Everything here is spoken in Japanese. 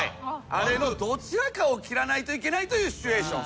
あれのどちらかを切らないといけないというシチュエーション。